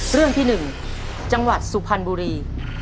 เรื่องที่๑จังหวัดสุพรรณบุรี